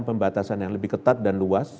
pembatasan yang lebih ketat dan luas